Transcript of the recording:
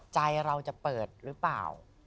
ใจเราจะเปิดหรือเปล่า